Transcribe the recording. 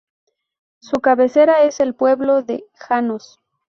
Su cabecera es el pueblo de Janos.